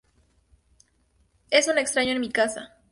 Es un extraño en mi casa.